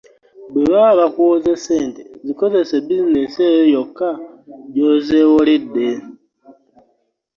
Bwe baba bakuwoze ssente zikozese bizinensi eyo yokka gy’ozeewoledde.